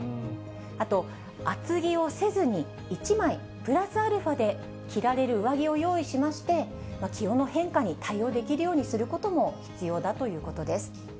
あと厚着をせずに、１枚プラスアルファで着られる上着を用意しまして、気温の変化に対応できるようにすることも必要だということです。